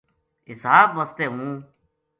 حساب واسطے ہوں